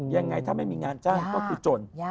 ยังไงถ้าไม่มีงานจ้างก็คือจน